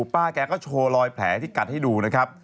ป้าแกก็โชว์รอยแผลที่กัดให้ดูนะครับ